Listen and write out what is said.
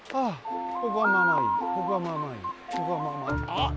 あっ！